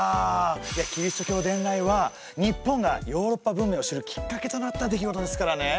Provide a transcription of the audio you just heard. いやキリスト教伝来は日本がヨーロッパ文明を知るきっかけとなった出来事ですからね。